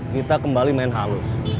kita kembali main halus